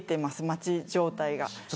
待ち状態が。